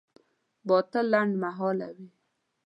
باطل لنډمهاله وي.